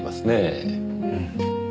うん。